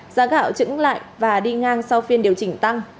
giá gạo trứng lại và đi ngang sau phiên điều chỉnh tăng